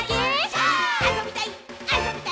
あそびたい！